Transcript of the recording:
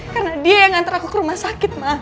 karena dia yang antar aku ke rumah sakit ma